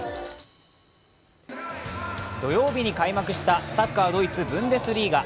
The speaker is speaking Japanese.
土曜日に開幕したサッカー、ドイツ・ブンデスリーガ。